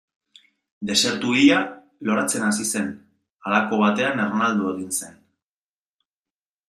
Desertu hila loratzen hasi zen, halako batean ernaldu egin zen.